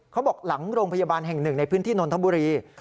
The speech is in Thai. เขาบอกหลังโรงพยาบาลแห่งหนึ่งในพื้นที่นนทบุรี